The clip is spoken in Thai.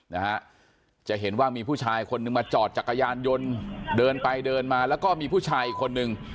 นะฮะจะเห็นว่ามีผู้ชายคนนึงมาจอดจักรยานยนต์เดินไปเดินมาแล้วก็มีผู้ชายอีกคนนึง